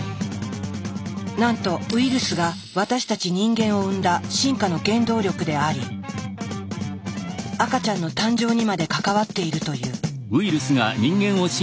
なんとウイルスが私たち人間を生んだ進化の原動力であり赤ちゃんの誕生にまで関わっているという。